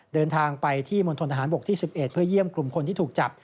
เดินทางไปที่มณฑนทหารบกที่๑๑เพื่อเยี่ยมกลุ่มคนที่ถูกจับ